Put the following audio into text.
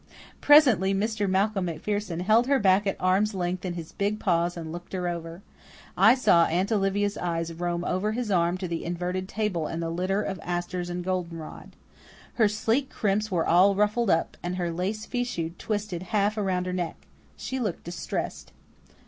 Presently, Mr. Malcolm MacPherson held her back at arm's length in his big paws and looked her over. I saw Aunt Olivia's eyes roam over his arm to the inverted table and the litter of asters and goldenrod. Her sleek crimps were all ruffled up, and her lace fichu twisted half around her neck. She looked distressed.